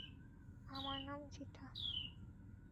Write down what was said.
আমার নাম চিতা।